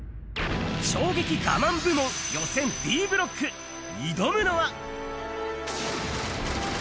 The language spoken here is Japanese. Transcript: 衝撃我慢部門予選Ｄブロック、挑むのは。